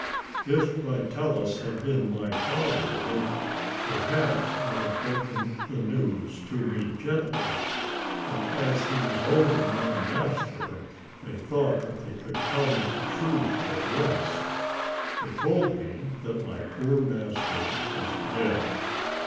If Vitalis had been my father they perhaps would have broken the news to me gently, but as he was only my master, they thought that they could tell me the truth at once. They told me that my poor master was dead.